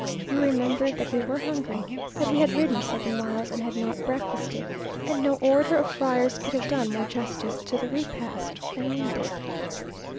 We remembered that we were hungry, that we had ridden seven miles and had not breakfasted; and no order of friars could have done more justice to the repast than we did....